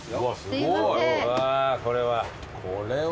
わこれは。